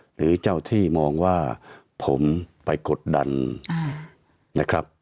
หรือเจ้าที่มองว่าผมไปกดดันนะครับ